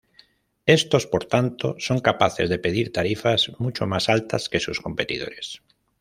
Estos, por tanto, son capaces de pedir tarifas mucho más altas que sus competidores.